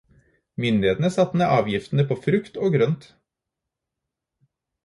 Myndighetene satte ned avgiftene på frukt og grønt.